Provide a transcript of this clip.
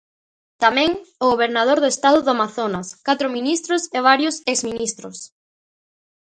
Tamén, o gobernador do Estado do Amazonas, catro ministros e varios ex ministros.